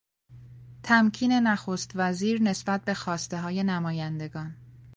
تمکین نخست وزیر نسبت به خواستههای نمایندگان